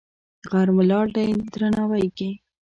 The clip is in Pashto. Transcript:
غر ولاړ دی درناوی کې.